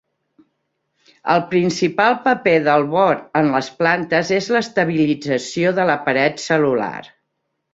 El principal paper del bor en les plantes és l'estabilització de la paret cel·lular.